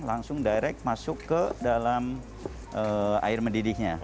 langsung direct masuk ke dalam air mendidihnya